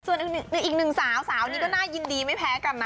ส่วนอีกหนึ่งสาวสาวนี่ก็น่ายินดีไม่แพ้กันนะ